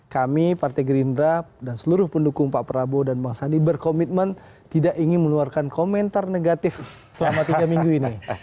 kami partai gerindra dan seluruh pendukung pak prabowo dan bang sandi berkomitmen tidak ingin meluarkan komentar negatif selama tiga minggu ini